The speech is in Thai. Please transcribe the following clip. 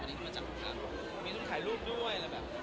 มีทุกคนขายรูปด้วย